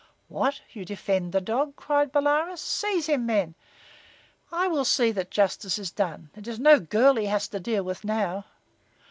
"What! You defend the dog!" cried Bolaroz. "Seize him, men! I will see that justice is done. It is no girl he has to deal with now."